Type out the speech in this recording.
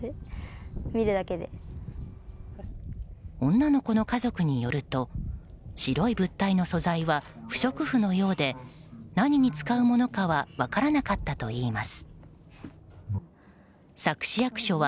女の子の家族によると白い物体の素材は不織布のようで何に使うものかは分からなかったといいます。